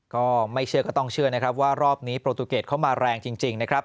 ก็ไม่เชื่อก็ต้องเชื่อนะครับว่ารอบนี้โปรตูเกตเข้ามาแรงจริงนะครับ